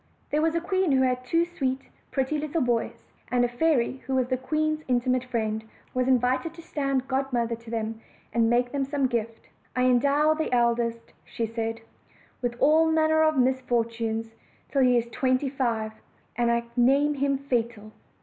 THERE was a queen who had two sweet, pretty little boys; and a fairy who was the queen's intimate friend was invited to stand godmother to them, and make them some gift. "I endow the eldest," said she, "with all manner of misfortunes till he is twenty five; and I name him Fatal."